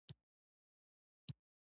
ننګرهار د افغانستان د اقتصاد برخه ده.